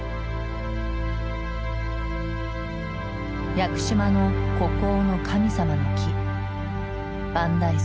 屋久島の孤高の神様の木万代杉。